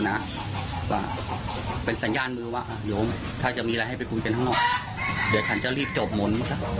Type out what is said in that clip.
เดี๋ยวท่านจะรีบจบหมด